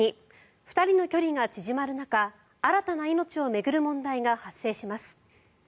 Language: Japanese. ２人の距離が縮まる中新たな命を巡る問題が発生します。